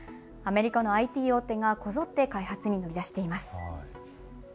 アメリカのＩＴ大手がこぞって開発に乗り出しています。